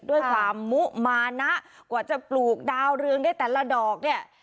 ด้วยความมุมานะกว่าจะปลูกดาวเรืองได้แต่ละดอกเนี่ย